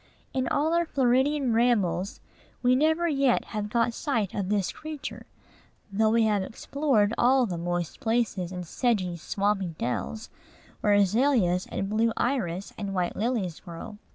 In all our Floridian rambles, we never yet have got sight of this creature; though we have explored all the moist places, and sedgy, swampy dells, where azaleas and blue iris and white lilies grow.